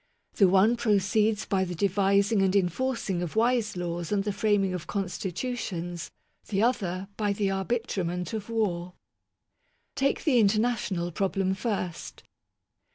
The one proceeds by the devising and enforcing of wise laws and the fram ing of constitutions ; the other, by the arbitrament of war. Take the international problem first.